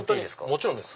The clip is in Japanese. もちろんです。